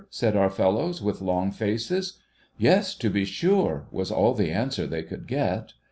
said our fellows, with long faces. 'Yes, to be sure,' was all the answer they could get.